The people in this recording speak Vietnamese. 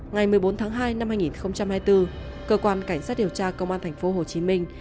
ngày một mươi bốn tháng hai năm hai nghìn hai mươi bốn cơ quan cảnh sát điều tra công an thành phố hồ chí minh